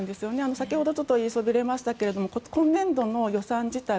先ほど言いそびれましたが今年度の予算自体